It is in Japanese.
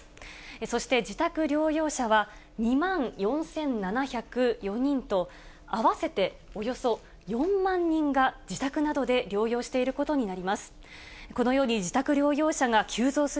そして自宅療養者は２万４７０４人と、合わせておよそ４万人が自宅などで療養していることになります。